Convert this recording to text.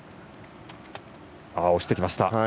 押してきました。